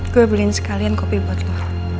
gue beliin sekalian kopi buat lo